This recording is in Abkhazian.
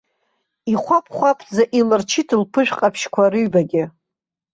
Ихәаԥ-хәаԥӡа илырчит лԥышә ҟаԥшьқәа рыҩбагьы.